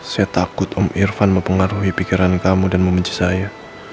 saya takut om irfan mempengaruhi pikiran kamu dan membenci saya